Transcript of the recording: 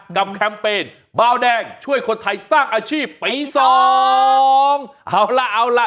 แคมเปญเบาแดงช่วยคนไทยสร้างอาชีพปีสองเอาล่ะเอาล่ะ